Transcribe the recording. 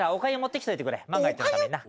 万が一のためにな。